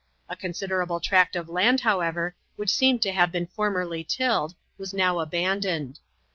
A considerable tract of land, however, which seemed to have been formerly tilled, was now abandoned.